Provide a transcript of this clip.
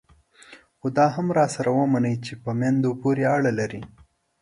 خو دا هم راسره ومنئ چې په میندو پورې اړه لري.